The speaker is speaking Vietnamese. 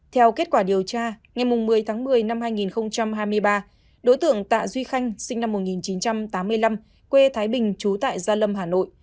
theo kết quả điều tra ngày một mươi tháng một mươi năm hai nghìn hai mươi ba đối tượng tạ duy khanh sinh năm một nghìn chín trăm tám mươi năm quê thái bình trú tại gia lâm hà nội